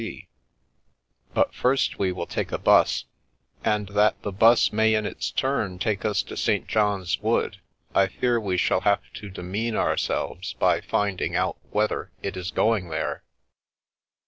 C.C But first we will take a Tdus, and that the "bus may in its turn take us to St. John's Wood, I fear we shall have to demean ourselves by finding out whether it is going there."